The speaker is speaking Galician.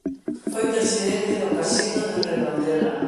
Foi presidente do Casino de Redondela.